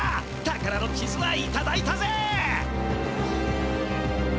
宝の地図はいただいたぜ！